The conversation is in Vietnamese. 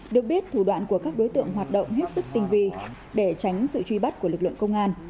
được biết thủ đoạn của các đối tượng hoạt động hết sức tinh vi để tránh sự truy bắt của lực lượng công an